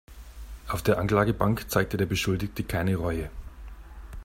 Auf der Anklagebank zeigte der Beschuldigte keine Reue.